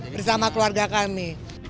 bersama keluarga kami